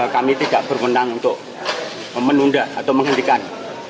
kami tidak berwenang untuk menunda atau menghentikan